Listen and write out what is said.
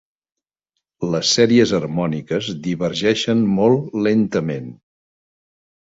Les sèries harmòniques divergeixen molt lentament.